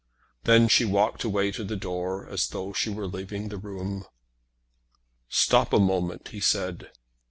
Then she walked away to the door as though she were leaving the room. "Stop a moment," he said.